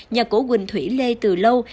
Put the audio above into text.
nhà cổ quỳnh thủy lê từ lâu